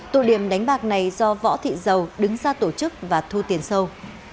tổ điểm đánh bạc này do võ thị dầu đứng ra tổ chức và thu tiền sâu